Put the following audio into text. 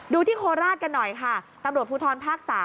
ที่โคราชกันหน่อยค่ะตำรวจภูทรภาค๓